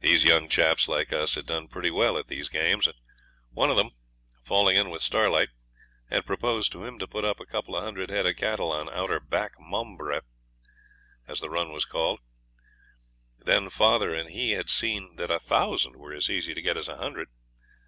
These young chaps, like us, had done pretty well at these games, and one of them, falling in with Starlight, had proposed to him to put up a couple of hundred head of cattle on Outer Back Momberah, as the run was called; then father and he had seen that a thousand were as easy to get as a hundred.